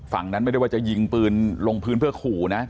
ฝั่งนั้นไม่ได้ว่าจะยิงปืนลงพื้นเพื่อขู่นะ